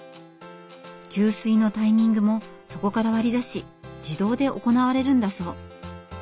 給水のタイミングもそこから割り出し自動で行われるんだそう。